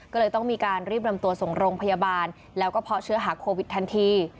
ก็เลยต้องมีการรีบนำตัวส่งโรงพยาบาลแล้วก็เพาะเชื้อหาโควิดทันที